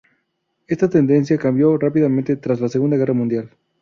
Esta tendencia cambió rápidamente tras la Segunda Guerra Mundial.